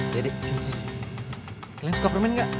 dede sini sini kalian suka permen gak